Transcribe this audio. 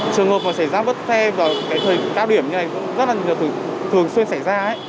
trường hợp mà xảy ra bất xe vào thời cao điểm như này cũng rất là thường xuyên xảy ra